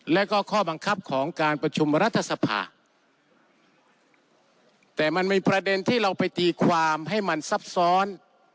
แล้วก็ข้อบังคับของการประชุมรัฐสภาแต่มันมีประเด็นที่เราไปตีความให้มันซับซ้อน